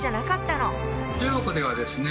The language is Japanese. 中国ではですね